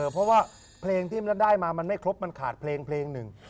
เพราะว่าเพลงที่มันได้มามันไม่ครบมันขาดเพลงเพลงหนึ่ง